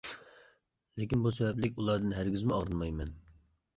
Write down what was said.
لېكىن بۇ سەۋەبلىك ئۇلاردىن ھەرگىزمۇ ئاغرىنمايمەن.